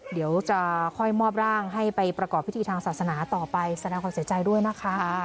เดี๋ยวจะค่อยมอบร่างให้ไปประกอบพิธีทางศาสนาต่อไปแสดงความเสียใจด้วยนะคะ